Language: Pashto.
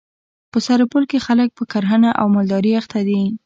په سرپل کي خلک په کرهڼه او مالدري اخته دي.